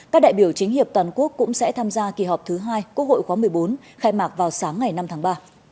các đại biểu chính hiệp toàn quốc cũng sẽ tham gia kỳ họp thứ hai quốc hội khóa một mươi bốn khai mạc vào sáng ngày năm tháng ba